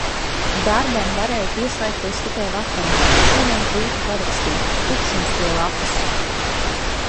Darbam varēju pieslēgties tikai vakarā. Šodien grūti parakstīt. Tukšums pie lapas.